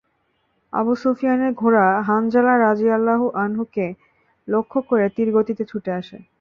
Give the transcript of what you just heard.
আবু সুফিয়ানের ঘোড়া হানজালা রাযিয়াল্লাহু আনহু কে লক্ষ্য করে তীর গতিতে ছুটে আসে।